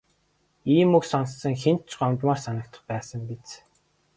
Ийм үг сонссон хэнд ч гомдмоор санагдах байсан биз.